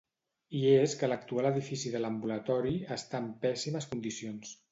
I és que l'actual edifici de l'ambulatori està en pèssimes condicions.